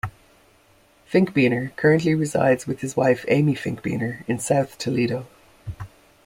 Finkbeiner currently resides with his wife, Amy Finkbeiner, in South Toledo.